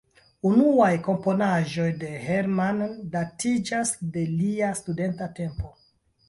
Unuaj komponaĵoj de Hermann datiĝas de lia studenta tempo.